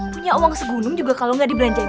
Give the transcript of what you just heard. punya uang segunung juga kalo ga dibelanjain